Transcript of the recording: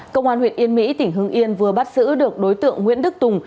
công an huyện yên mỹ tỉnh hưng yên vừa bắt giữ được đối tượng nguyễn đức tùng